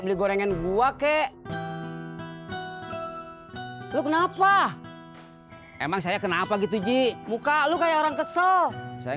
beli gorengan gua kek lu kenapa emang saya kenapa gitu ji muka lu kayak orang kesel saya